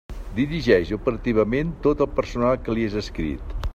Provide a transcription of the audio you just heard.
Dirigeix operativament tot el personal que li és adscrit.